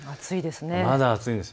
まだ暑いんです。